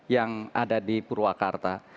yang ada di purwakarta